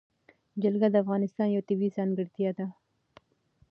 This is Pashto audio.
جلګه د افغانستان یوه طبیعي ځانګړتیا ده.